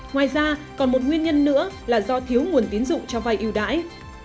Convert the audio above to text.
ngoài ra còn một nguyên nhân nữa là do thiếu nguồn tín dụng cho vai yêu đãi